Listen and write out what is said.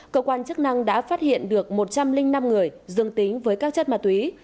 cơ quan chức năng đã phát hiện được một trăm linh năm người dương tính với các chất ma túy